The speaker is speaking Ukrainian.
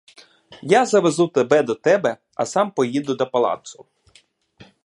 Я завезу тебе до тебе, а сам поїду до палацу.